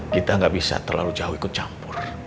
kita nggak bisa terlalu jauh ikut campur